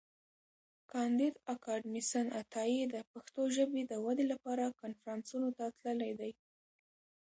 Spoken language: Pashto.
کانديد اکاډميسن عطایي د پښتو ژبي د ودي لپاره کنفرانسونو ته تللی دی.